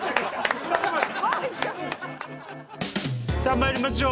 さあまいりましょう。